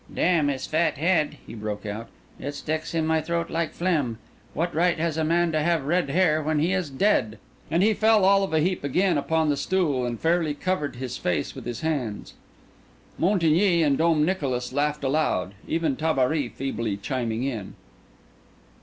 "Damn his fat head!" he broke out. "It sticks in my throat like phlegm. What right has a man to have red hair when he is dead?" And he fell all of a heap again upon the stool, and fairly covered his face with his hands. Montigny and Dom Nicolas laughed aloud, even Tabary feebly chiming in.